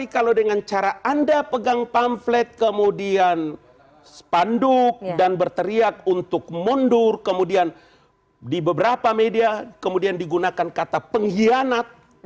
kalau dengan cara anda pegang pamflet kemudian spanduk dan berteriak untuk mundur kemudian di beberapa media kemudian digunakan kata pengkhianat